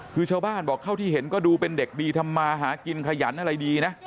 คือชาวบ้านบอกเท่าที่เห็นก็ดูเป็นเด็กดีทำมาหากินขยันอะไรดีนะ